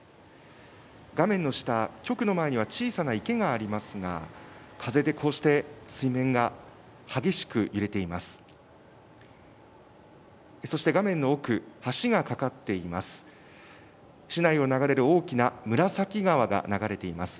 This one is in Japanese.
画面の下、局の前には小さな池がありますが、風でこうして水面が激しく揺れています。